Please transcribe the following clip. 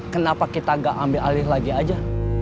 kenapa kita gak ambil alih lagi aja